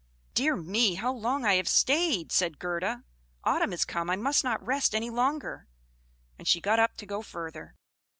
"Dear me, how long I have staid!" said Gerda. "Autumn is come. I must not rest any longer." And she got up to go further.